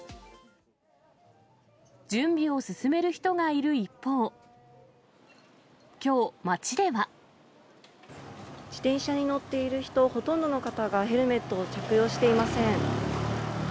準備を進める人がいる一方、自転車に乗っている人、ほとんどの方がヘルメットを着用していません。